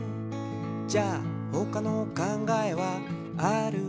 「じゃあほかのかんがえはあるかな？」